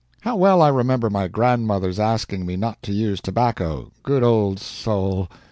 How well I remember my grandmother's asking me not to use tobacco, good old soul!